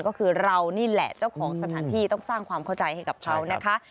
ก็คือเรานี่แหละเจ้าของสถานที่ต้องสร้างความเข้าใจให้กับเขานะคะ